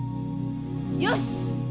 よし！